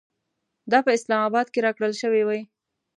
دا په اسلام اباد کې راکړل شوې وې.